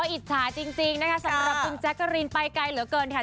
อิจฉาจริงนะคะสำหรับคุณแจ๊กกะรีนไปไกลเหลือเกินค่ะ